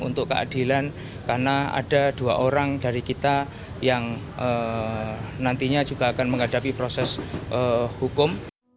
untuk keadilan karena ada dua orang dari kita yang nantinya juga akan menghadapi proses hukum